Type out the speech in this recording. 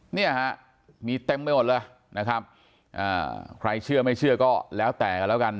เนี่ยฮะมีเต็มไปหมดเลยนะครับอ่าใครเชื่อไม่เชื่อก็แล้วแต่กันแล้วกัน